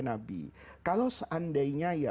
nabi kalau seandainya ya